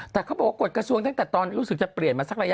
แต่เขาบอกว่ากฎกระทรวงตั้งแต่ตอนรู้สึกจะเปลี่ยนมาสักระยะ